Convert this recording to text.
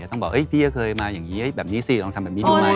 ต้องบอกพี่ก็เคยมาอย่างนี้แบบนี้สิลองทำแบบนี้ดูไหม